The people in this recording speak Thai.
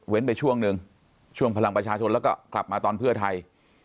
ไปช่วงหนึ่งช่วงพลังประชาชนแล้วก็กลับมาตอนเพื่อไทย